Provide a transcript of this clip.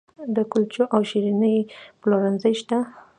د کلچو او شیریني پلورنځي شته